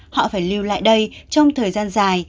họ phải lưu lại đây trong thời gian dài